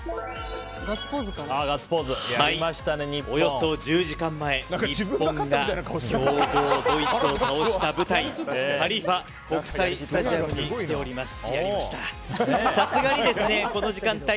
およそ１０時間前日本が強豪ドイツを倒した舞台ハリーファ国際スタジアムに来ております。